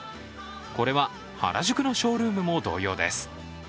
これは原宿のショールームも同様です。